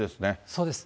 そうです。